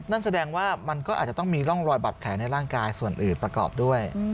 นั่นแสดงว่ามันก็อาจจะต้องมีร่องรอยบาดแผลในร่างกายส่วนอื่นประกอบด้วย